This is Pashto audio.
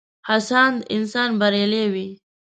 هڅاند انسان بريالی وي.